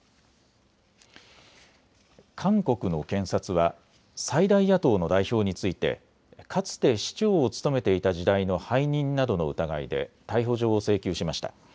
韓国の検察は最大野党の代表についてかつて市長を務めていた時代の背任などの疑いで逮捕状を請求しました。